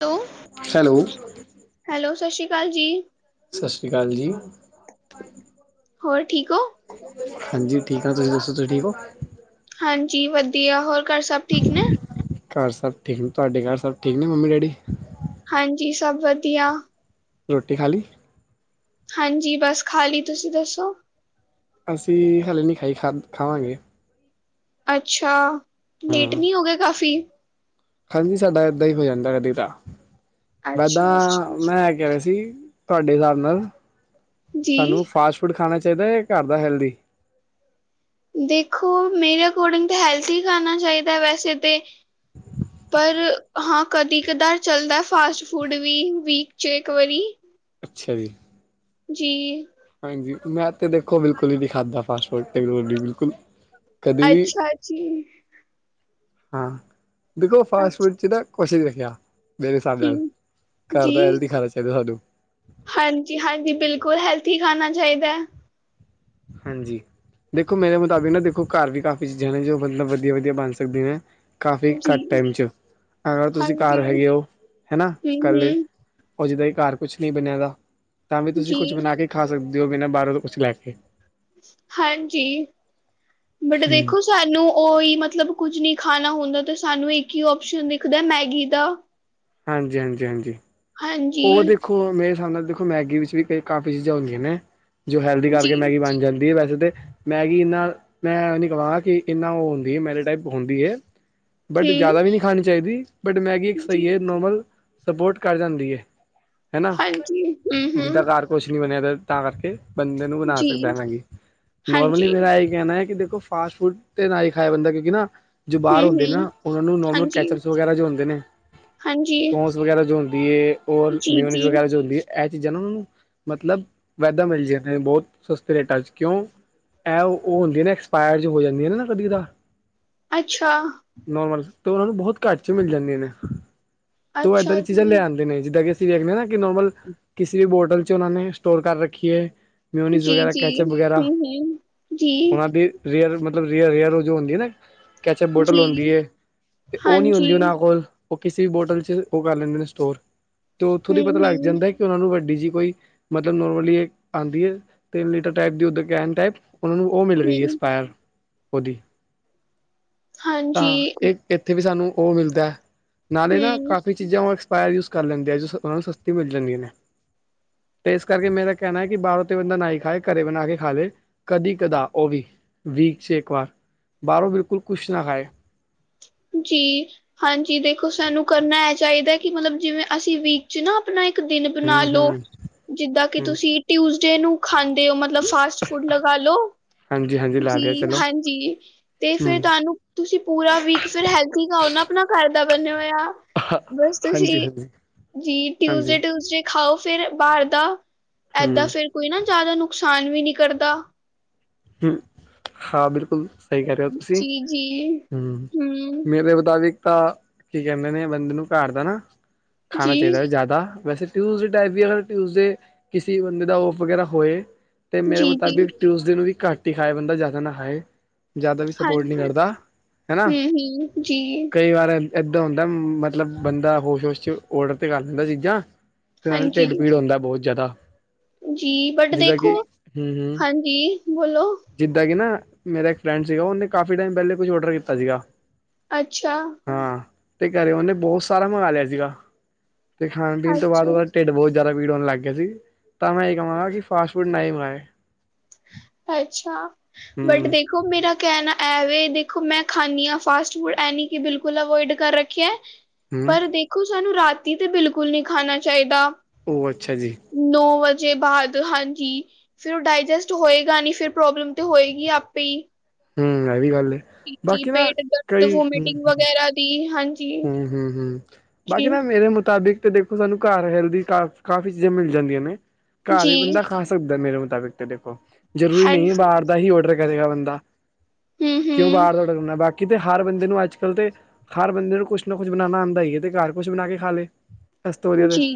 ਤੋ, hello hello ਸਤਿ ਸ਼੍ਰੀ ਅਕਾਲ ਜੀ। ਸਤਿ ਸ੍ਰੀ ਅਕਾਲ ਜੀ। ਹੋਰ ਠੀਕ ਹੋ? ਹਾਂਜੀ ਠੀਕ ਆ। ਤੁਸੀਂ ਦੱਸੋ, ਤੁਸੀਂ ਠੀਕ ਹੋ? ਹਾਂਜੀ ਵਧੀਆ ਹੋਰ, ਘਰ ਸਭ ਠੀਕ ਨੇ? ਘਰ ਸਭ ਠੀਕ ਨੇ ਤੁਹਾਡੇ ਘਰ ਸਭ ਠੀਕ ਨੇ ਮੰਮੀ ਡੈਡੀ ਹਾਂਜੀ ਸਭ ਵਧੀਆ ਰੋਟੀ ਖਾ ਲੀ ਹਾਂਜੀ ਬਸ ਖਾਲੀ ਤੁਸੀਂ ਦੱਸੋ? ਅਸੀਂ ਹਲੇੇ ਨੀਂ ਖਾਈ ਖਾ ਖਾਵਾਂਗੇ ਅੱਛਾ ਲੇਟ ਹੂੰ ਨਹੀਂ ਹੋ ਗਏ ਕਾਫੀ ਹਾਂਜੀ ਸਾਡਾ ਏਦਾਂ ਹੀ ਹੋ ਜਾਂਦਾ ਕਦੀ ਤਾਂ ਮੈਂ ਅੱਛਾ, ਦਾਂ ਅੱਛਾ ਮੈਂ ਇਹ ਕੈ ਰੇਆ ਸੀ ਤੁਹਾਡੇ ਹਿਸਾਬ ਨਾਲ ਜੀ ਸਾਨੂੰ ਫਾਸਟ ਫੂਡ ਖਾਣਾ ਚਾਈਦਾ ਜਾਂ ਘਰ ਦਾ ਹੈਲਦੀ ਦੇਖੋ ਮੇਰੇ ਅਕੋਰਡਿੰਗ ਤਾਂ ਹੈਲਥੀ ਖਾਣਾ ਚਾਈਦਾ ਵੈਸੇ ਤੇ ਪਰ ਹਾਂ ਕਦੀ - ਕਦਾਰ ਚੱਲਦਾ ਫਾਸਟ ਫੂਡ ਵੀ ਵੀਕ 'ਚ ਇੱਕ ਵਾਰੀ ਅੱਛਾ ਜੀ ਜੀ ਹਾਂਜੀ ਮੈਂ ਤੇ ਦੇਖੋ ਬਿਲਕੁਲ ਹੀ ਨੀ ਖਾਧਾ ਫਾਸਟ ਫੂਡ ਤੇ ਬਿਲਕੁਲ ਕਦੇ ਵੀ ਅੱਛਾ ਜੀ ਹਾਂ ਦੇਖੋ ਫਾਸਟ ਅੱਛਾ ਫੁਡ ਚ ਦਾ ਕੋਸ਼ ਨਹੀਂ ਰੱਖਿਆ ਮੇਰੇ ਹਿਸਾਬ ਨਾਲ ਜੀ ਘਰ ਦਾ ਜੀ ਹੈਲਦੀ ਖਾਣਾ ਚਾਈਦਾ ਸਾਨੂੰ ਹਾਂਜੀ ਹਾਂਜੀ ਬਿਲਕੁਲ ਹੈਲਥੀ ਖਾਣਾ ਚਾਈਦਾ ਹਾਂਜੀ ਦੇਖੋ ਮੇਰੇ ਮੁਤਾਬਿਕ ਨਾ ਦੇਖੋ ਘਰ ਵੀ ਕਾਫ਼ੀ ਚੀਜ਼ਾਂ ਨੇ ਜੋ ਮਤਲਬ ਵਧੀਆ ਵਧੀਆ ਬਣ ਸਕਦੀਆਂ ਨੇ ਕਾਫੀ ਘੱਟ ਜੀ ਟਾਈਮ 'ਚ ਅਗਰ ਤੁਸੀਂ ਹਾਂਜੀ, ਘਰ ਹੈਗੇ ਹੋ ਹਨਾ ਇਕੱਲੇ ਹੂੰ-ਹੂੰ, ਉਹ ਜਿੱਦਾਂ ਘਰ ਕੁਛ ਨਹੀਂ ਬਣਿਆਦਾ ਤਾਂ ਵੀ ਤੁਸੀਂ ਜੀ, ਕੁਛ ਬਣਾ ਕੇ ਖਾ ਸਕਦੇ ਹੋ ਬਿਨਾਂ ਬਾਰੋਂ ਤੋਂ ਕੁਛ ਲੈ ਕੇ ਹਾਂਜੀ ਬਟ ਹੂੰ ਦੇਖੋ ਤਾਨੂੰ ਉਹੀ ਮਤਲਬ ਕੁੱਝ ਨਹੀਂ ਖਾਣਾ ਹੁੰਦਾ ਤੇ ਸਾਨੂੰ ਇੱਕ ਹੀ ਓਪਸ਼ਨ ਦਿਖਦਾ ਮੈਗੀ ਦਾ ਹਾਂਜੀ ਹਾਂਜੀ ਹਾਂਜੀ ਹਾਂਜੀ, ਉਹ ਦੇਖੋ ਮੇਰੇ ਹਿਸਾਬ ਨਾਲ ਦੇਖੋ ਮੈਗੀ ਵਿੱਚ ਵੀ ਕਾਫ਼ੀ ਚੀਜ਼ਾਂ ਹੁੰਦੀਆਂ ਨੇ ਜੋ ਹੈਲਦੀ ਜੀ, ਕਰਕੇ ਮੈਗੀ ਬਣ ਜਾਂਦੀ ਹੈ ਵੈਸੇ ਤਾਂ ਮੈਗੀ ਨਾਲ ਮੈਂ ਉਹ ਨਹੀਂ ਕਵਾਂ ਕਿ ਇੰਨਾ ਉਹ ਹੁੰਦੀ ਹੈ ਮੈਦੇ ਟਾਈਪ ਹੁੰਦੀ ਐ ਬਟ ਹੂੰ, ਜ਼ਿਆਦਾ ਵੀ ਨਹੀਂ ਖਾਣੀ ਚਾਈਦੀ ਬਟ ਮੈਗੀ ਇੱਕ ਜੀ। ਸਹੀ ਹੈ ਨੋਰਮਲ ਸਪੋਰਟ ਕਰ ਜਾਂਦੀ ਐ। ਹਾਂਜੀ ਜਿੱਦਾਂ ਹੂੰ-ਹੂੰ, ਘਰ ਕੁਛ ਨੀ ਬਣਿਆ ਤਾਂ ਕਰਕੇ ਬੰਦੇ ਨੂੰ ਬਣਾ ਜੀ, ਸਕਦਾ ਮੈਂਗੀ ਨੌਰਮਲੀ ਹਾਂਜੀ, ਮੇਰਾ ਏ ਕੈਣਾ ਹੈ ਕਿ ਦੇਖੋ ਫਾਸਟ ਫੂਡ ਤੇ ਨਾ ਹੀ ਖਾਏ ਬੰਦਾ ਕਿਉਂਕਿ ਨਾ ਜੋ ਬਾਰ ਹੁੰਦੇ ਨੇ ਹੂੰ-ਹੂੰ, ਨਾ ਉਹਨਾਂ ਨੂੰ ਨੋਰਮਲ ਹਾਂਜੀ। ਕੈਚਪ ਵਗੈਰਾ ਜੋ ਹੁੰਦੇ ਨੇ ਹਾਂਜੀ, ਸੌਂਸ ਵਗੈਰਾ ਜੋ ਹੁੰਦੀ ਏ ਓਰ ਮਿਓਨੀਜ ਜੀ-ਜੀ, ਵਗੈਰਾ ਇਹ ਚੀਜ਼ਾਂ ਨਾ ਉਹਨਾਂ ਨੂੰ, ਮਤਲਬ ਵੈਧਾ ਮਿਲ ਜਾਂਦਾ ਏ, ਬਹੁਤ ਸਸਤੇ ਰੇਟਾਂ ਚ ਕਿਉਂ, ਐ ਉਹ ਹੁੰਦੀ ਨਾ, ਐਕਸਪਾਇਰ ਚ ਹੋ ਜਾਂਦੀ, ਹੈ ਨਾ ਕਦੀ ਤਾਂ ਅੱਛਾ। ਨੋਰਮਲ ਤੇ, ਉਹਨਾਂ ਨੂੰ ਬਹੁਤ ਘੱਟ ਚ ਮਿਲ ਜਾਂਦੀਆ ਨੇ ਤੋਂ ਉਹ ਇੱਦਾਂ ਅੱਛਾ ਦੀ ਚੀਜ਼ਾਂ ਜੀ। ਲਿਆ ਆਦੇ ਨੇ ਜਿੱਦਾਂ ਕਿ, ਅਸੀਂ ਵੇਖਦੇ ਹ ਨਾ ਕਿ ਨੋਰਮਲ ਕਿਸੇ ਵੀ ਮੋਂਡਲ ਚ ਨਾਨੀ ਉਹਨਾਂ ਨੇ ਸਟੋਰ ਕਰ ਰੱਖੀ ਹੈ ਮਿਊਨੀਜ਼ ਵਗੈਰਾ, ਜੀ-ਜੀ, ਕੈਚਅਪ ਵਗੈਰਾ, ਹੂੰ-ਹੂੰ, ਜੀ, ਉਹਨਾਂ ਵੀ ਰੇਅਰ ਮਤਲਬ, ਰੇਅਰ -ਰੇਅਰ ਉਹ ਜੋ ਹੁੰਦੀ ਹੈ ਨਾ ਕੈਚਅਪ ਬੋਟਲ ਜੀ, ਹੁੰਦੀ ਏ, ਤੇ ਉਹ ਨਹੀਂ ਹਾਂਜੀ। ਹੁੰਦੀ ਉਹਨਾਂ ਕੋਲ ਉਹ, ਕਿਸੇ ਵੀ ਬੋਟਲ ਚ ਉਹ ਕਰ ਲੈਂਦੇ ਨੇ ਸਟੋਰ, ਤੇ ਉੱਥੋ ਦੀ ਪਤਾ ਲੱਗ ਹੂੰ-ਹੂੰ, ਜਾਂਦਾ ਉਹਨਾਂ ਨੂੰ ਵੱਡੀ ਜਿਹੀ ਕੋਈ ਮਤਲਬ, ਨੋਰਮਲੀ ਆਂਦੀ ਹੈ ਤਿੰਨ ਲੀਟਰ ਟਾਇਪ ਦੀ, ਉਧਰ ਕੈਨ ਟਾਇਪ ਉਹਨਾਂ ਨੂੰ, ਉਹ ਮਿਲ ਹੂੰ, ਗਈ ਹੂੰ ਐਸਪਾਇਰ, ਉਹਦੀ ਹਾਂਜੀ, ਤਾਂ ਇੱ ਇੱਥੇ ਵੀ, ਸਾਨੂੰ ਉਹ ਮਿਲਦਾ ਨਾਲੇ ਨਾ ਹੂੰ। ਕਈ ਚੀਜ਼ਾਂ, ਉਹ ਐਕਸਪਾਇਰ ਯੂਜ ਕਰ ਲੈਂਦੇ ਆ, ਜੋ ਉਹਨਾਂ ਨੂੰ ਸਸਤੀ ਮਿਲ ਜਾਂਦੀਆਂ ਨੇ ਤੇ ਇਸ ਕਰਕੇ, ਮੇਰਾ ਕਹਿਣਾ ਕਿ ਬਾਹਰੋਂ ਤੇ ਬੰਦਾ ਨਾ ਖਾਏ, ਘਰੇ ਬਣਾ ਕੇ ਖਾ ਲਏ ਕਦੀ- ਕਦਾ ਉਹ ਵੀ, ਵੀਕ 'ਚ ਇੱਕ ਵਾਰ, ਬਾਹਰੋਂ ਬਿਲਕੁਲ ਕੁਛ ਨਾ ਖਾਏ ਜੀ, ਹਾਂਜੀ ਦੇਖੋ ਸਾਨੂੰ, ਕਰਨਾ ਇਹ ਚਾਹੀਦਾ ਕਿ, ਮਤਲਬ ਜਿਵੇਂ ਅਸੀਂ ਵੀਕ 'ਚੱਲੋ ਆਪਣਾ ਇੱਕ ਦਿਨ ਬਣਾ ਹੂੰ ਹੂੰ ਲਓ, ਜਿੱਦਾਂ ਕਿ ਹੂੰ ਤੁਸੀਂ ਟਿਊਜ਼ਡੇ ਨੂੰ ਖਾਂਦੇ ਹੋ, ਮਤਲਬ ਫਸ ਤੁਸੀਂ ਫੂਡ ਲਗਾ ਲੋ, ਹਾਂਜੀ ਹਾਂਜੀ ਲਾ ਲਿਆ ਤੁਸੀ ਚਲੋ ਹਾਂਜੀ ਤੇ ਹੂੰ ਫਿਰ ਤੁਹਾਨੂੰ ਤੁਸੀਂ ਪੂਰਾ ਵੀਕ, ਫਿਰ ਹੈਲਥੀ ਖਾਓ ਨਾ ਆਪਣਾ ਘਰ ਦਾ, ਬੰਨਿਆ ਹੋਇਆ ਬਸ ਹਾਂਜੀ ਤੁਸੀਂ, ਹਾਂਜੀ ਜੀ ਹਾਂਜੀ ਟਿਊਸਡੇ- ਟਿਊਜ਼ਡੇ ਖਾਓ,, ਫਿਰ ਬਾਹਰ ਦਾ ਏਦਾਂ ਹੂੰ ਫੇਿਰ ਕੋਈ ਨਾ, ਜ਼ਿਆਦਾ ਨੁਕਸਾਨ ਵੀ ਨੀ ਕਰਦਾ ਹਮ, ਹਾਂ ਬਿਲਕੁਲ ਸਹੀ ਕਹਿ ਰਹੇ ਹੋ ਤੁਸੀਂ, ਜੀ ਜੀ। ਹਮ ਹੂੰ ਮੇਰੇ ਮੁਤਾਬਿਕ ਤਾਂ ਕੀ ਕਹਿੰਦੇ ਨੇ, ਬੰਦੇ ਨੂੰ ਘਰ ਦਾ ਨਾ ਖਾਣਾ ਜੀ ਚਾਹੀਦਾ, ਜ਼ਿਆਦਾ ਵੈਸੇ ਟਿਊਜ਼ਡੇ ਟਾਈਪ ਵੀ, ਅਗਰ ਟਿਊਜ਼ਡੇ ਕਿਸੇ ਬੰਦੇ ਦਾ ਔਫ ਵਗੈਰਾ ਹੋਏ, ਤੇ ਮੇਰੇ ਜੀ ਜੀ ਮੁਤਾਬਿਕ ਟਿਉਜਡੇ ਵੀ, ਘੱਟ ਹੀ ਖਾਏ ਬੰਦਾ ਜ਼ਿਆਦਾ ਨਾ, ਖਾਏ ਜ਼ਿਆਦਾ ਵੀ ਸਪੋਰਟ ਨਹੀਂ ਹਾਂਜੀ ਕਰਦਾ, ਹੈ ਨਾ ਹੂੰ ਹੂੰ ਜੀ ਕਈ ਵਾਰ ਇੱਕ ਹੁੰਦਾ, ਮਤਲਬ ਬੰਦਾ ਹੋਸ- ਹੋਸ ਚ ਆਡਰ ਤੇ ਕਰ ਦਿਦਾਂ ਚੀਜ਼ਾਂ ਤੇ ਨਾਲ ਢਿੱਡ ਪੀੜ ਹੁੰਦਾ, ਬਹੁਤ ਜ਼ਿਆਦਾ ਜੀ, ਬਟ ਜਿੱਦਾਂ ਦੇਖੋ, ਕਿ ਹੂੰ ਹੂੰ ਹਾਂਜੀ ਬੋਲੋ ਜਿੱਦਾਂ ਕਿ ਨਾ, ਮੇਰਾ ਇੱਕ ਫਰੈਂਡ ਸੀਗਾ ਉਹਨੇ, ਕਾਫੀ ਟਾਈਮ ਪਹਿਲੇ ਕੁਛ, ਔਡਰ ਕੀਤਾ ਸੀਗਾ ਅੱਛਾ। ਹਾਂ ਤੇ, ਘਰੇ ਉਹਨੇ ਬਹੁਤ ਸਾਰਾ ਮੰਗਵਾ ਲਿਆ ਸੀਗਾ, ਤੇ ਖਾਣ -ਪੀਣ ਤੋਂ ਬਾਅਦ ਉਹਦਾ ਢਿੱਡ, ਬਹੁਤ ਜ਼ਿਆਦਾ ਪੀੜ ਹੋਣ ਲੱਗ ਗਿਆ ਸੀ। ਤਾਂ ਮੈਂ ਇਹ ਕਹਾਂਗਾ ਕਿ, ਫਾਸਟ ਫੂਡ ਨਾ ਹੀ ਖਾਏ ਅੱਛਾ, ਬਟ ਦੇਖ ਹੂੰ ਦੇਖੋ ਮੇਰਾ ਕਹਿਣਾ ਐਵੇ, ਦੇਖੋ ਮੈਂ ਖਾਦੀ ਹਾਂ ਫਾਸਟ- ਫੂਡ ਐ ਨੀ ਕਿ, ਬਿਲਕੁਲ ਅਵੋਇਡ ਕਰ ਰੱਖਿਆ ਹੂੰ ਪਰ ਦੇਖੋ, ਸਾਨੂੰ ਰਾਤੀ ਤਾਂ ਬਿਲਕੁਲ ਨਹੀਂ, ਖਾਣਾ ਚਾਹੀਦਾ ਉਹ, ਅੱਛਾ ਜੀ। ਨੌ ਵਜੇ ਬਾਅਦ, ਹਾਂਜੀ ਫਿਰ ਉਹ ਡਾਇਜੈਸਟ ਤੇ ਹੋਏਗਾ ਨਈ, ਫਿਰ ਪ੍ਰੋਬਲਮ ਤੇ ਹੋਏਗੀ ਆਪੇ ਹੀ ਹਮ, ਇਹ ਵੀ ਗੱਲ ਏ ਇੱਕ ਪੇਟ ਦਰਦ, ਵੋਮਟਿੰਗ ਵਗੈਰਾ, ਦੀ ਹਾਂਜੀ ਹਮ- ਹਮ ਹਮ, ਬਾਕੀ ਜੀ ਨਾ ਮੇਰੇ ਮੁਤਾਬਿਕ ਤੇ ਦੇਖੋ ਸਾਨੂੰ, ਘਰ ਹੈਲਦੀ ਕਾ ਕਾਫ਼ੀ, ਚੀਜ਼ਾਂ ਮਿਲ ਜਾਂਦੀਆਂ ਨੇ ਘਰ ਵੀ ਜੀ ਬੰਦਾ ਖਾ, ਸਕਦਾ ਮੇਰੇ ਮੁਤਾਬਿਕ ਦੇਖੋ ਜਰੂਰੀ ਨਹੀਂ ਹਾਂਜੀ ਬਾਹਰ ਦਾ ਹੀ ਔਡਰ ਕਰੇਗਾ ਬੰਦਾ ਹੂੰ ਕਿਉਂ ਬਾਹਰ ਹੂੰ ਦਾ ਡਰ ਕਰਨਾ ਬਾਕੀ ਕਿਤੇ ਹਾਰ ਬੰਦੇ ਨੂੰ ਅੱਜ ਕੱਲ੍ਹ ਤੇ ਹਾਰ ਬੰਦੇ ਨੂੰ ਕੁਛ ਨਾ ਕੁਛ ਬਣਾਉਣਾ ਆਉਂਦਾ ਹੀ ਹੈ ਤੇ ਘਰ ਕੁਛ ਬਣਾ ਕੇ ਖਾ ਲਏ। ਕੁਛ ਤੋਂ ਵਧੀਆ ਲਗੇ ਜੀ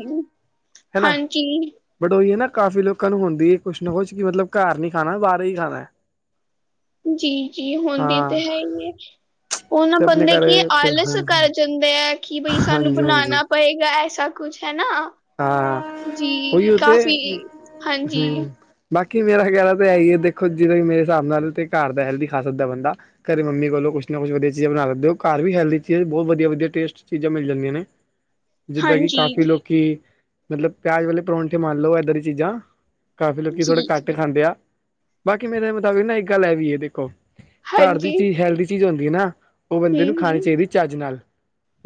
ਹਨਾ। ਹਾਂਜੀ ਬਟ ਉਹੀ ਹੈ ਨਾ ਕਾਫ਼ੀ ਲੋਕਾਂ ਨੂੰ ਹੁੰਦੀ ਹੈ ਕੁਛ ਨਾ ਕੁਛ ਕਿ ਮਤਲਬ ਘਰ ਨੀ ਖਾਣਾ ਬਾਹਰ ਹੀ ਖਾਣਾ। ਜੀ ਜੀ ਹੁਣਦੀ ਹਾਂ ਤੇ ਹੈ ਹੀ ਹੈ। ਉਹਨਾਂ ਤੇ ਆਪਣੇ ਬੰਦੇ ਕੀ ਘਰੇ ਫਿਰ ਆਲਸ ਕਰ ਜਾਂਦੇ ਹੈ ਕਿ ਬਈ ਸਾਨੂੰ ਹਾਂਜੀ ਹਾਂਜੀ ਬਣਾਉਣਾ। ਹੋਏਗਾ ਐਸਾ ਕੁਛ ਹੈ ਨਾ। ਹਾਂ ਜੀ ਉਈ ਉ ਤੇ ਕਾਫੀ ਹਾਂਜੀ, ਹਮ। ਬਾਕੀ ਮੇਰਾ ਖਹਿਲਾ ਤਾਂ ਹੈ ਹੀ ਹੈ ਦੇਖੋ ਜਿਦੋਂ ਮੇਰੇ ਹਿਸਾਬ ਨਾਲ ਤੇ ਘਰ ਦਾ ਹੈਲਦੀ ਖਾਸਤ ਦਾ ਬੰਦਾ। ਘਰੇ ਮੰਮੀ ਕੋਲੋਂ ਕੁਛ ਨਾ ਕੁਛ ਵਧੀਆ ਚੀਜ਼ ਬਣਾ ਸਕਦੇ ਹੋ ਘਰ ਵੀ ਹੈਲਦੀ ਚੀਜ਼ ਬਹੁਤ ਵਧੀਆ ਵਧੀਆ ਟੇਸਟ ਚੀਜ਼ਾਂ ਮਿਲ ਜਾਂਦੀਆਂ ਨੇ। ਜਿੱਦਾਂ ਕਿ ਹਾਂਜੀ, ਕਾਫ਼ੀ ਲੋਕੀ ਮਤਲਬ ਪਿਆਜ ਵਾਲੇ ਪਰੌਂਠੇ ਮਨ ਲ ਲੋ ਇੱਧਾਂ ਦੀ ਚੀਜ਼ਾਂ ਕਾਫੀ ਲੋਕੀ ਥੋੜੇ ਜੀ। ਕ ਖਾਂਦੇ ਆ ਬਾਕੀ ਮੇਰੇ ਮੁਤਾਬਿਕ ਨਾ ਇੱਕ ਗੱਲ ਹੈ ਵੀ ਇਹ ਦੇਖੋ ਘਰ ਦੀ ਹਾਂਜੀ, ਚੀਜ਼ ਹੈਲਦੀ ਚੀਜ਼ ਹੁੰਦੀ ਹੈ ਨਾ ਉਹ ਬੰਦੇ ਨੂੰ ਖਾਣੀ ਹੂੰ-ਹੂੰ, ਚਾਹੀਦੀ ਚੱਜ ਨਾਲ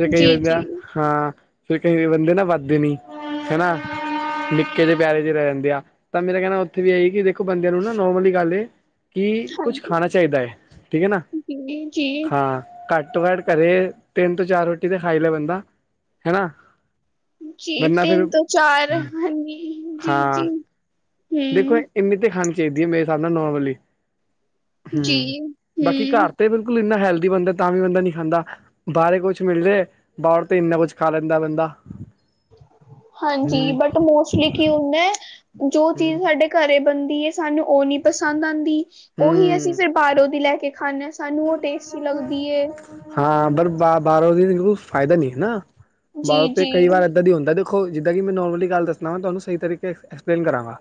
ਫ ਕਈ ਜੀ-ਜੀ, ਬੰਦਾ ਹਾਂ ਫਿਰ ਕੇ ਬੰਦੇ ਨਾ ਵੱਧਦੇ ਨੀ। ਹੈ ਨਾ। ਨਿੱਕੇ ਜ ਪਿਆਰੇ ਚ ਰਹਿ ਜਾਂਦੇ ਆ ਤਾਂ ਮੇਰਾ ਕਹਿਣਾ ਉੱਥੇ ਵੀ ਆਈ ਕਿ ਦੇਖੋ ਬੰਦਿਆਂ ਨੂੰ ਨਾ ਨੋਰਮਲ ਹੀ ਗੱਲ ਏ। ਕੀ ਕੁਛ ਹਾਂਜੀ, ਖਾਣਾ ਚਾਹੀਦਾ ਹੈ ਠੀਕ ਹੈ ਨਾ ਜੀ-ਜੀ। ਹਾਂ। ਘੱਟ ਤੋਂ ਘੱਟ ਘਰੇ ਤਿੰਨ ਤੋਂ ਚਾਰ ਰੋਟੀ ਤੇ ਖਾਈ ਲੈ ਬੰਦਾ ਹਨਾ। ਜੀ ਵਰਨਾ ਤਿੰਨ ਫਿਰ ਤੋਂ ਚਾਰ ਹਨਜੀ ਜੀ ਹਾਂ ਜੀ। ਦੇਖੋ ਇੰਨੀ ਤੇ ਖਾਣੀ ਚਾਹੀਦੀ ਹੈ ਮੇਰੇ ਹਿਸਾਬ ਨਾਲ ਨੋਰਮਲੀ। ਹੁੰ ਜੀ, ਬਾਕੀ ਘਰ ਹੂੰ। ਤੇ ਬਿਲਕੁਲ ਇੰਨਾ ਹੈਲਦੀ ਬੰਦਾ ਤਾਂ ਵੀ ਬੰਦਾ ਨਹੀਂ ਖਾਂਦਾ। ਬਾਹਾਰੇ ਕੁਛ ਮਿਲ ਜੇ ਬਾਹਰ ਤੇ ਇੰਨਾ ਕੁਛ ਖਾ ਲੈਂਦਾ ਬੰਦਾ। ਹਾਂਜੀ ਹੂੰ, ਬਟ ਮੋਸਟਲੀ ਕੀ ਹੁੰਦਾ ਜੋ ਹੂੰ, ਚੀਜ਼ ਸਾਡੇ ਘਰੇ ਬੰਦੀ ਏ ਸਾਨੂੰ ਉਹ ਨੀ ਪਸੰਦ ਆਂਦੀ ਉਹੀ ਅਸੀਂ ਹੂੰ। ਫਿਰ ਬਾਹਰੋਂ ਦੀ ਲੈ ਕੇ ਖਾਂਦੇ। ਸਾਨੂੰ ਉਹ ਟੇਸਟੀ ਲੱਗਦੀ ਏ। ਹਾਂ ਬਰ ਬਾਰੋ ਦੀ ਫਾਇਦਾ ਨੀ ਹੈ ਨਾ, ਬਾਰੋ ਜੀ ਤੇ ਜੀ ਕਈ ਵਾਰ ਦਾਂ ਹੁੰਦਾ ਦੇਖੋ ਜਿੱਦਾਂ ਕੀ ਮੈਂ ਨੋਰਮਲੀ ਗੱਲ ਦੱਸਨਾ ਵਾ ਤੁਹਾਨੂੰ ਸਹੀ ਤਰੀਕੇ ਐਕਸਪਲੇਨ ਕਰਾਂਗਾ।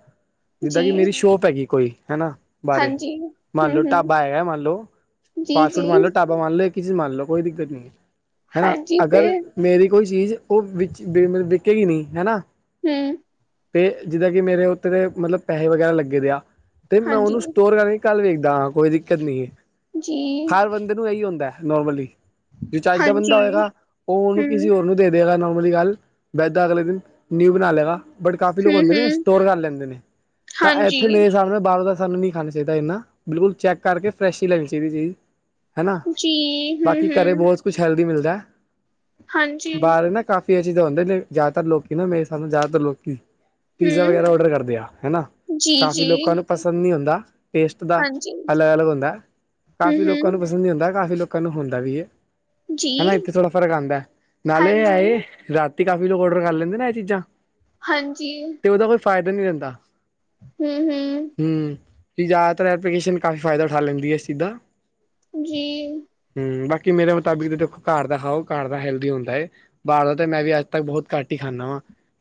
ਜਿੱਦਾਂ ਜੀ ਕਿ ਮੇਰੀ ਸ਼ੋਪ ਹੈਗੀ ਕੋਈ ਹਨਾ ਬਾਰੇ ਹਾਂਜੀ ਮੰਨ ਲਓ ਹਮ ਹਮ ਢਾਬਾ ਹੈਗਾ ਮੰਨ ਲਓ। ਜੀ ਫਾਸਟ ਫੂਡ ਜੀ ਮਨ ਲੋ ਢਾਬਾ ਮਨ ਲੋੋ ਇੱਕ ਹੀ ਚੀਜ਼ ਮੰਨ ਲੋ ਕੋਈ ਦਿੱਕਤ ਨਹੀਂ ਹਨਾ ਹਾਂਜੀ ਤੇ ਅਗਰ ਮੇਰੀ ਕੋਈ ਚੀਜ਼ ਉਹ ਵਿੱਚ ਮ ਵਿਕੇੇਗੀ ਨਹੀਂ ਹੈਨਾ। ਹੁੰ। ਤੇ ਜਿੱਦਾਂ ਕਿ ਮੇਰੇ ਉੱਤੇ ਦੇ ਮਤਲਬ ਪੈਹੇ ਵਗੈਰਾ ਲੱਗੇ ਦੇ ਆ ਤੇ ਮੈਂ ਹਾਂਜੀ ਉਹਨੂੰ ਸਟੋਰ ਕਰ ਕੱਲ ਵੇਖਦਾ ਹਾਂ ਕੋਈ ਦਿੱਕਤ ਨਹੀਂ ਏ। ਜੀ। ਬੰਦੇ ਨੂੰ ਇਹੀ ਹੁੰਦਾ ਨੋਰਮਲੀ ਜੋ ਚੱਜ ਦਾ ਬੰਦਾ ਹਾਂਜੀ ਹੋਏਗਾ ਉਹਨੂੰ ਹਮ ਕਿਸੇ ਹੋਰ ਨੂੰ ਦੇ ਨੋਰਮਲੀ ਗੱਲ ਬੈਦਾ ਅਗਲੇ ਦਿਨ ਨਿਊ ਬਣਾ ਲੇਗਾ। ਬਟ ਕਾਫੀ ਲੋਕ ਹਮ ਹੁੰਦੇ ਨੇ ਹਮ ਸਟੋਰ ਕਰ ਲੈਂਦੇ ਨੇ ਤਾਂ ਹਾਂਜੀ ਇੱਥੇ ਮੇਰੇ ਹਿਸਾਬ ਨਾਲ ਬਾਹਰ ਦਾ ਸਨੂੰ ਨੀ ਖਾਣਾ ਚਾਹੀਦਾ ਇੰਨਾ ਬਿਲਕੁਲ ਚੈੱਕ ਕਰਕੇ ਫਰੈਸ਼ ਹੀ ਲੈਣੀ ਚਾਹੀਦੀ ਚੀਜ਼। ਹਨਾ ਜੀ ਬਾਕੀ ਹਮ ਘਰੇ ਹਮ ਬਹੁਤ ਕੁਛ ਹੈਲਦੀ ਮਿਲਦਾ ਹਾਂਜੀ ਬਾਹਰ ਨਾ ਕਾਫੀ ਇਹ ਚੀਜ਼ ਤਾਂ ਹੁੰਦੇ ਜ਼ਿਆਦਾਤਰ ਲੋਕੀ ਨਾ ਮੇਰੇ ਸਾਬ ਨਾਲ ਜ਼ਿਆਦਾਤਰ ਲੋਕੀ ਪੀਜ਼ਾ ਹਮ ਵਗੈਰਾ ਓਡਰ ਕਰਦੇ ਆ ਹਨਾ ਜੀ ਕਾਫੀ ਜੀ ਲੋਕਾਂ ਨੂੰ ਪਸੰਦ ਨੀ ਹੁੰਦਾ। ਟੇਸਟ ਦਾ ਹਾਂਜੀ ਅਲੱਗ ਅਲੱਗ ਹੁੰਦਾ ਕਾਫ਼ੀ ਹਮ ਹਮ ਲੋਕਾਂ ਨੂੰ ਪਸੰਦ ਨੀ ਹੁੰਦਾ ਕਾਫੀ ਲੋਕਾਂ ਨੂੰ ਹੁੰਦਾ ਵੀ ਏ। ਜੀ ਹਨਾ ਇੱਥੇ ਥੋੜਾ ਫਰਕ ਆਂਦਾ ਨਾਲੇ ਹੈ ਹਾਂਜੀ ਰਾਤੀ ਕਾਫ਼ੀ ਲੋਕ ਔਡਰ ਕਰ ਲੈਂਦੇ ਨਾ ਇਹ ਚੀਜ਼ਾਂ। ਹਾਂਜੀ। ਤੇ ਉਹਦਾ ਕੋਈ ਫਾਇਦਾ ਨੀ ਰੈਂਦਾ। ਹੁੰ ਹੁੰ ਹੂੰ, ਜ਼ਿਆਦਾਤਰ ਐਪਲੀਕੇਸ਼ਨ ਕਾਫੀ ਫਾਇਦਾ ਉਠਾ ਲੈਂਦੀ ਹੈ ਇਸ ਚੀਜ਼ ਦਾ ਜੀ। ਹੁੰ ਬਾਕੀ ਮੇਰੇ ਮੁਤਾਬਿਕ ਦੇਖੋ ਘਰ ਦਾ ਖਾਓ ਘਰ ਦਾ ਹੈਲਦੀ ਹੁੰਦਾ ਏ। ਬਾਹਰੋਂ ਤੇ ਮੈਂ ਵੀ ਅੱਜ ਤੱਕ ਬਹੁਤ ਘੱਟ ਹੀ ਖਾਂਦਾ ਵਾਂ।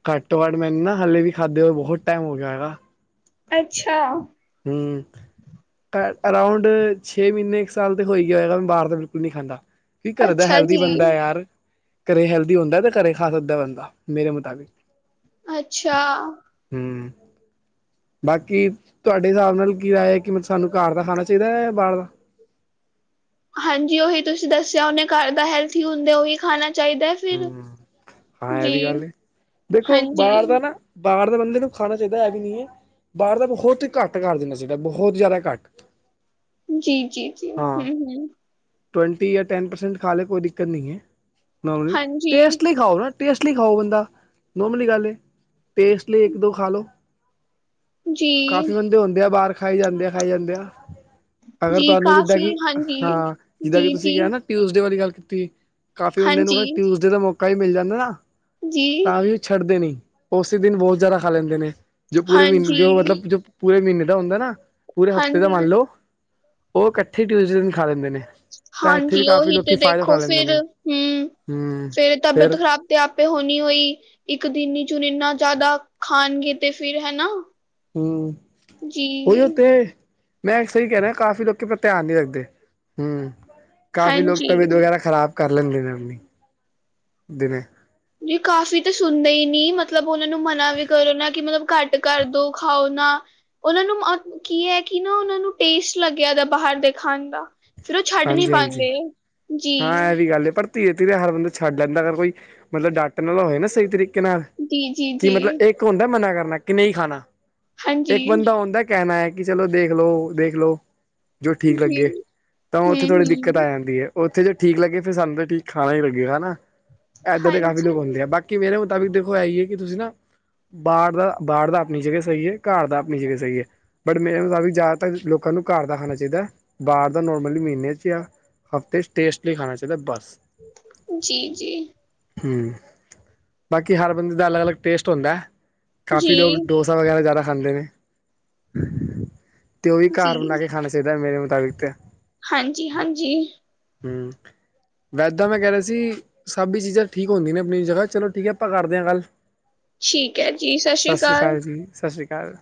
ਘੱਟ ਤੋਂ ਘੱਟ ਮੈਨੂੰ ਨਾ ਹਾਲੇ ਵੀ ਖਾਦੇ ਹੋਏ ਬਹੁਤ ਟਾਈਮ ਹੋ ਗਿਆ ਹੈਗਾ। ਅੱਛਾ। ਹੁੰ। ਖ਼ੈਰ ਅਰਾਉਂਡ ਛੇ ਮਹੀਨੇ ਇੱਕ ਸਾਲ ਤੇ ਹੋਈ ਗਿਆ ਹੋਏਗਾ ਮੈਂ ਬਾਹਰ ਤਾਂ ਬਿਲਕੁਲ ਨਹੀਂ ਖਾਂਦਾ। ਕਿ ਘਰ ਦਾ ਅੱਛਾ ਹੈਲਦੀ ਜੀ ਬੰਦਾ ਯਾਰ ਘਰੇ ਹੈਲਦੀ ਹੁੰਦਾ ਤੇ ਘਰੇ ਖਾ ਸਕਦਾ ਬੰਦਾ ਮੇਰੇ ਮੁਤਾਬਿਕ ਅੱਛਾ। ਹੁੰ। ਬਾਕੀ ਤੁਹਾਡੇ ਹਿਸਾਬ ਨਾਲ ਕੀ ਰਾਏ ਹੈ ਕਿ ਮਲਬ ਸਾਨੂੰ ਘਰ ਦਾ ਖਾਣਾ ਚਾਹੀਦਾ ਬਾਹਰ ਦਾ? ਹਾਂਜੀ ਉਹੀ ਤੁਸੀਂ ਦੱਸਿਆ ਹੁਣੇ ਘਰ ਦਾ ਹੈਲਥੀ ਹੁੰਦਾ ਉਹੀ ਖਾਣਾ ਚਾਹੀਦੈ। ਹੁੰ ਹਾਂ ਇਹ ਵੀ ਗੱਲ ਏ, ਦੇਖੋ ਬਾਹਰ ਹਾਂਜੀ ਦਾ ਨਾ ਬਾਹਰ ਦਾ ਬੰਦੇ ਨੂੰ ਖਾਣਾ ਚਾਹੀਦਾ ਇਹ ਵੀ ਨਈ ਆ, ਬਾਹਰ ਦਾ ਬਹੁਤ ਘੱਟ ਘਰ ਦੇਣਾ ਚਾਹੀਦਾ, ਬਹੁਤ ਜ਼ਿਆਦਾ ਘੱਟ ਜੀ ਜੀ ਜੀ ਹੁੰ ਹੁੰ ਟਵੈਂਟੀ ਯਾ ਟੈਨ ਪਰਸੈਂਟ ਖਾ ਲੇ ਕੋਈ ਦਿੱਕਤ ਨਈ ਆ ਨੋਮਲੀ ਹਾਂਜੀ ਟੇਸਟ ਲਈ ਖਾਓ ਨਾ। ਟੇਸਟ ਲਈ ਖਾਓ ਬੰਦਾ, ਨੋਰਮਲੀ ਗੱਲ ਏ। ਟੇਸਟਲੀ ਇੱਕ ਦੋ ਖਾ ਲਓ। ਜੀ ਕਾਫੀ ਬੰਦੇ ਹੁੰਦੇ ਆ ਬਾਹਰ ਖਾਈ ਜਾਂਦੇ ਆ, ਖਾਈ ਜਾਂਦੇ ਆ। ਅਗਰ ਜੀ ਤੁਹਾਨੂੰ ਜਿੱਦਾਂ ਕਾਫੀ ਕਿ, ਹਾਂਜੀ ਹਾਂ ਜਿੱਦਾਂ ਕਿ ਜੀ ਤੁਸੀਂ ਜੀ ਕਿਹਾ ਨਾ ਟਿਊਜ਼ਡੇ ਵਾਲੀ ਗੱਲ ਕੀਤੀ ਕਾਫੀ ਬੰਦਿਆਂ ਹਾਂਜੀ ਨੂੰ ਟਿਊਜ਼ਡੇ ਦਾ ਮੌਕਾ ਹੀ ਮਿਲ ਜਾਂਦਾ ਨਾ ਜੀ ਤਾਂ ਵੀ ਉਹ ਛੱਡਦੇ ਨਈ, ਉਸੇ ਦਿਨ ਬਹੁਤ ਜ਼ਿਆਦਾ ਖਾ ਲੈਂਦੇ ਨੇ ਜੋ ਪੂਰੇ ਮਹੀਨੇ ਹਾਂਜੀ ਜੋ ਮਤਲਬ ਜੋ ਪੂਰੇ ਮਹੀਨੇ ਦਾ ਹੁੰਦਾ ਨਾ ਪੂਰੇ ਹਫ਼ਤੇ ਦਾ ਹਾਂਜੀ ਮੰਨ ਲਓ ਉਹ ਇਕੱਠੇ ਟਿਊਜ਼ਡੇ ਨੂ ਖਾ ਲਿੰਦੇ ਨੇ। ਤਾਂ ਇੱਥੇ ਹਾਂਜੀ ਵੀ ਕਾਫ਼ੀ ਉਹੀ ਤੇ ਲੋਕੀ ਫਾਇਦਾ ਉਠਾ ਦੇਖੋ ਲੈਂਦੇ ਫੇਰ ਨੇ ਹੂੰ, ਹਮ ਫੇਰ ਫਿਰ ਤਬੀਅਤ ਖ਼ਰਾਬ ਤੇ ਆਪੇ ਹੋਣੀ ਹੋਈ ਇੱਕ ਦਿਨ ਚੁਣ ਇਨਾ ਜ਼ਿਆਦਾ ਖਾਣਗੇ ਤੇ ਫਿਰ ਹਨਾ ਹੂੰ ਜੀ। ਉਈਏ ਤੇ ਮੈਂ ਸਹੀ ਕਹਿਣਾ ਕਾਫ਼ੀ ਲੋਕੀ ਪਰ ਧਿਆਨ ਨੀ ਰੱਖਦੇ ਹੂੰ ਕਾਫ਼ੀ ਲੋਕ ਤਬੀਅਤ ਹਾਂਜੀ। ਵਗੈਰਾ ਖਰਾਬ ਕਰ ਲੈਂਣਦੇ ਨੇ ਆਪਣੀ, ਦਿਨੇ ਨੀ ਕਾਫ਼ੀ ਤਾਂ ਸੁਣਦੇ ਹੀ ਨੀ ਮਤਲਬ ਉਹਨਾਂ ਨੂੰ ਮਨਾ ਵੀ ਕਰੋ ਨਾ ਕਿ ਮਤਲਬ ਘੱਟ ਕਰ ਦੋ ਖਾਓ ਨਾ ਉਹਨਾਂ ਨੂੰ ਕੀ ਹੈ ਕਿ ਨਾ ਉਹਨਾਂ ਨੂੰ ਟੇਸਟ ਲੱਗਿਆ ਉਹਦਾ ਬਾਹਰ ਦੇ ਖਾਣ ਦਾ ਫਿਰ ਉਹ ਛੱਡ ਨੀ ਪਾਦੇ, ਜੀ ਸੀ ਗੱਲ ਐ ਪਰ ਧੀਰੇ ਧੀਰੇ ਹਰ ਬੰਦਾ ਛੱਡ ਲੈਂਦਾ ਅਗਰ ਕੋਈ ਮਤਲਬ ਦਾ ਡਟਣ ਵਾਲਾ ਹੋਵੇ ਨਾ ਸਹੀ ਤਰੀਕੇ ਕਿਨਾਂ, ਜੀ, ਜੀ, ਕੀ ਜੀ। ਮਤਲਬ ਇੱਕ ਹੁੰਦਾ ਮਨਾ ਕਰਨਾ ਕਿ ਨਹੀਂ ਖਾਣਾ ਇੱਕ ਹਾਂਜੀ, ਬੰਦਾ ਆਉਂਦਾ ਕਹਿਣਾ ਹੈ ਕਿ ਚਲੋ ਦੇਖ ਲੋ ਦੇਖ ਲੋ ਜੋ ਠੀਕ ਜੀ, ਲੱਗੇ। ਤਾਂ ਉਹ ਉੱਥੇ ਥੋੜ੍ਹੀ ਦਿੱਕਤ ਆ ਹੂੰ-ਹੂੰ, ਜਾਂਦੀ ਐ। ਉੱਥੇ ਜੇ ਠੀਕ ਲੱਗੇ ਫਿਰ ਸਾਨੂੰ ਤਾਂ ਠੀਕ ਖਾਣਾ ਹੀ ਲੱਗੇਗਾ ਨਾ। ਏਦਾ ਦੇ ਕਾਫ਼ੀ ਹਾਂਜੀ, ਲੋਕ ਹੁੰਦੇ ਆ। ਬਾਕੀ ਮੇਰੇ ਮੁਤਾਬਿਕ ਦੇਖੋ ਹੈ ਹੀ ਹੈ ਕਿ ਤੁਸੀਂ ਨਾ ਬਾਹਰ ਦਾ ਬਾਹਰ ਦਾ ਆਪਣੀ ਜਗ੍ਹਾ ਸਹੀ ਏ, ਘਰ ਦਾ ਆਪਣੀ ਜਗ੍ਹਾ ਸਹੀ ਏ। ਬਟ ਮੇਰੇ ਮਤਾਬ ਜ਼ਿਆਦਾਤਰ ਲੋਕਾਂ ਨੂੰ ਘਰ ਦਾ ਖਾਣਾ ਚਾਹੀਦਾ ਬਾਹਰ ਦਾ ਨ ਮਲਬ ਮਹੀਨੇ ਚ ਜਾਂ ਹਫ਼ਤੇ ਚ ਟੇਸਟਲੀ ਖਾਣਾ ਚਾਹੀਦਾ ਬਸ। ਜੀ ਜੀ। ਹੂੰ ਬਾਕੀ ਹਰ ਬੰਦੇ ਦਾ ਅਲੱਗ-ਅਲੱਗ ਟੇਸਟ ਹੁੰਦੈ, ਕਾਫੀ ਲੋਕ ਜੀ, ਡੋਸ ਸਾ ਵਗੈਰਾ ਜ਼ਾਦਾ ਖਾਂਦੇ ਨੇ, ਤੇ ਓ ਵੀ ਘਰ ਜੀ, ਬਨਾ ਕੇ ਖਾਨਾ ਚਈਦੈ ਮੇਰੇ ਮੁਤਾਬਿਕ ਤੇ। ਹਾਂਜੀ-ਹਾਂਜੀ। ਹੂੰ, ਵੈਦਾਂ ਮੈਂ ਕੈ ਰਿਆ ਸੀ। ਸਬ ਈ ਚੀਜ਼ਾਂ ਠੀਕ ਹੁੰਦੀਆਂ ਨੇ ਆਪਨੀ ਜਗ੍ਹਾ ਚਲੋ ਠੀਕ ਐ ਆਪਾਂ ਕਰਦੇ ਆਂ ਗੱਲ। ਠੀਕ ਹੈ ਜੀ, ਸਤਿ ਸ਼੍ਰੀ ਸਸ ਰੀ ਅਕਾਲ। ਕਾਲ ਜੀ ਸਸ ਰੀ ਕਾਲ।